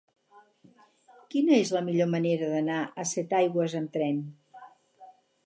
Quina és la millor manera d'anar a Setaigües amb tren?